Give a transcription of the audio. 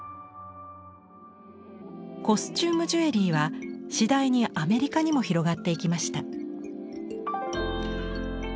コスチュームジュエリーは次第にアメリカにも広がっていきました。